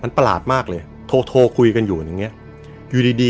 มันประหลาดมากเลยโทรโทรคุยกันอย่างเงี้ยอยู่ดี